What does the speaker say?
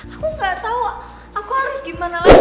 aku nggak tahu aku harus gimana lagi